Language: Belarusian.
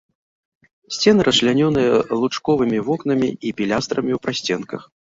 Сцены расчлянёныя лучковымі вокнамі і пілястрамі ў прасценках.